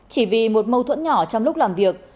chỉ vì một mâu thuẫn nhỏ trong lúc làm việc